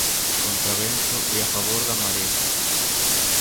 Contra vento, e a favor da maré.